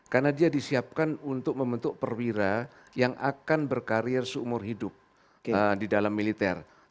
karena dia disiapkan untuk membentuk perwira yang akan berkarir seumur hidup di dalam militer